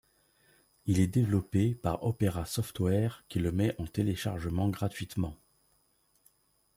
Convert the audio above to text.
Il est développé par Opera Software qui le met en téléchargement gratuitement.